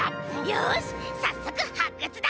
よしさっそくはっくつだ！